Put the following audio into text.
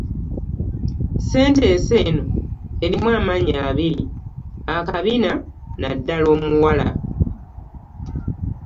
Sentensi eno erimu amannya abiri akabina n’eddala omuwala.